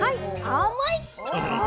甘い。